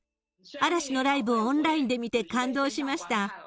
嵐のライブをオンラインで見て、感動しました。